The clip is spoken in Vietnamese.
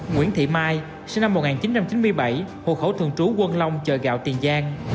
nguyễn thị mai sinh năm một nghìn chín trăm chín mươi bảy hộ khẩu thường trú quân long chợ gạo tiền giang